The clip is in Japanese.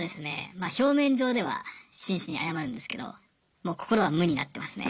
まあ表面上では真摯に謝るんですけどもう心は無になってますね。